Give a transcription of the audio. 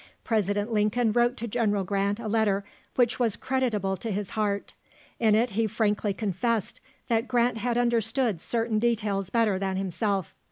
President Lincoln wrote to General Grant a letter which was creditable to his heart. In it he frankly confessed that Grant had understood certain details better than himself.